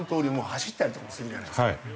走ったりとかもするじゃないですか。